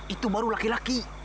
itu baru laki laki